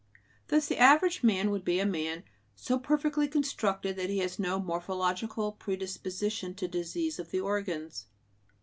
Thus the average man would be a man so perfectly constructed that he has no morphological predisposition to disease of the organs.